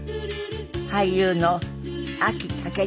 俳優のあき竹城さん。